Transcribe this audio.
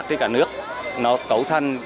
trên cả nước nó cấu thành